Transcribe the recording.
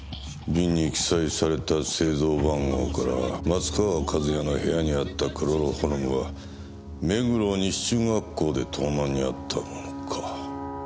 瓶に記載された製造番号から松川一弥の部屋にあったクロロホルムは目黒西中学校で盗難にあったものか。